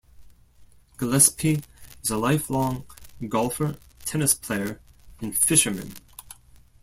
Gillespie is a lifelong golfer, tennis player, and fisherman.